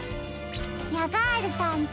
ヤガールさんって